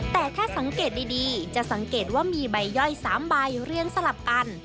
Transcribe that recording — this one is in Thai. แต่ถ้าสังเกตดีจะสังเกตว่ามีใบย่อย๓ใบเรียงสลับกัน